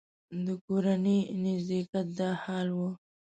د کورني نږدېکت دا حال و.